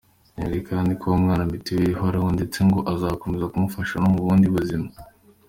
Yemereye kandi uwo mwana Mitiweri ihoraho ndetse ngo azakomeza kumufasha no mu bundi buzima.